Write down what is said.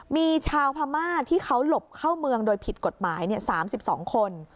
มีชาวพม่าที่เขาหลบเข้าเมืองโดยผิดกฎหมาย๓๒คน